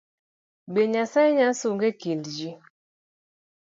Be Nyasaye nyalo sunga ekind ji?